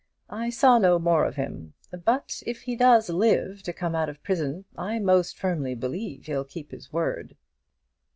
I saw no more of him; but if he does live to come out of prison, I most firmly believe he'll keep his word."